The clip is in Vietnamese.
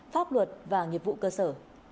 pháp luật và nhiệm vụ cơ sở